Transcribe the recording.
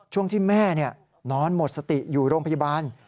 ช่วงที่แม่นอนหมดสติอยู่โรงพยาบาล